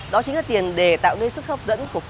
đó chính là tiền để tạo nên sức hấp dẫn của khu phố cổ